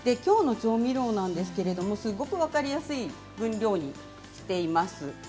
きょうの調味料ですけれどもすごく分かりやすい分量にしています。